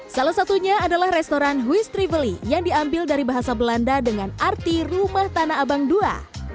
salah satunya adalah restoran huis trively yang diambil dari bahasa belanda dengan arti rumah tanah abang ii